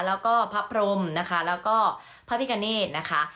แล้วก็พระพรมนะคะแล้วก็พระพิกาเนธนะคะ